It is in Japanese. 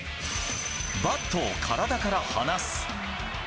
バットを体から離す。